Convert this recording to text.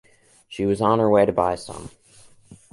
She was on her way to buy some.